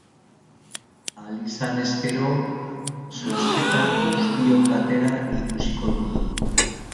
Ahal izanez gero, zozketa guztiok batera ikusiko dugu.